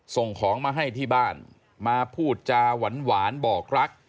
ส่งของมาให้ที่บ้านมาพูดจาหวานบอกรัก